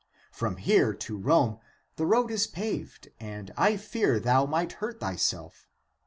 From here to Rome the road is paved and I fear thou might hurt thyself."